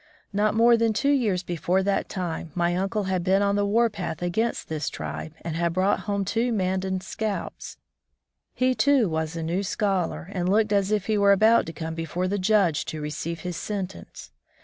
Not more than two years before that time my uncle had been on the war path against this tribe and had brought home two Mandan scalps. He, too, was a new scholar, and looked as if he were about to come before the judge to receive his sentence.